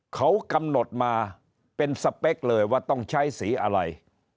เขากำหนดมาเป็นสเปคเลยว่าต้องใช้สีอะไร